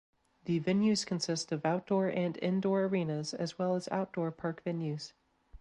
The venues consist of outdoor and indoor arenas as well as outdoor park venues.